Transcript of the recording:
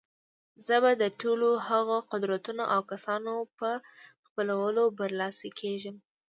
زه به د ټولو هغو قدرتونو او کسانو په خپلولو برلاسي کېږم.